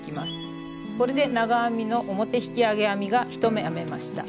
これで長編みの表引き上げ編みが１目編めました。